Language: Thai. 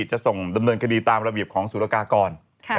จะส่งดำเนินคดีตามระเบียบของสุรกากร